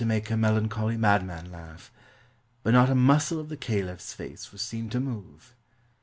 ake a melan choly madman laugh; but not a muscle of the caliph's face was seen to move.